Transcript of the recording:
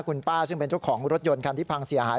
คุณป้าซึ่งเป็นเจ้าของรถยนต์คันที่พังเสียหาย